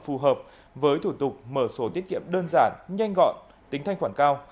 phù hợp với thủ tục mở số tiết kiệm đơn giản nhanh gọn tính thanh khoản cao